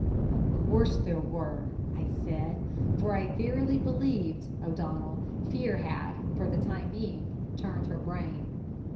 "'Of course there were,' I said for I verily believed, O'Donnell, fear had, for the time being, turned her brain.